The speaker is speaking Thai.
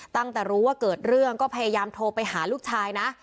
ตั้งแต่รู้ว่าเกิดเรื่องก็พยายามโทรไปหาลูกชายนะ